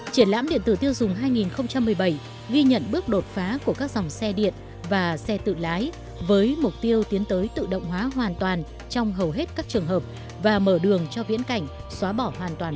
triển lãm điện tử tiêu dùng hai nghìn một mươi bảy ghi nhận bước đột phá của các dòng xe điện và xe tự lái với mục tiêu tiến tới tự động hóa hoàn toàn trong hầu hết các trường hợp và mở đường cho viễn cảnh xóa bỏ hoàn toàn